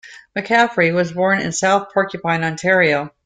McCaffrey was born in South Porcupine, Ontario.